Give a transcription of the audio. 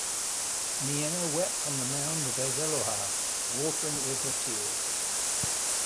Nienna wept on the mound of Ezellohar, watering it with her tears.